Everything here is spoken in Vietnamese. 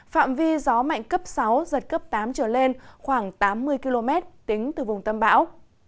phạm vi gió mạnh cấp sáu giật cấp tám trở lên khoảng tám mươi km tính từ vùng tâm bão